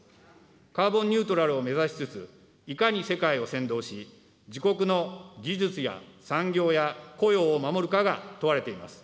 カーボンニュートラルを目指しつつ、いかに世界を先導し、自国の技術や産業や雇用を守るかが問われています。